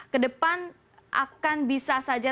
kedepan akan bisa saja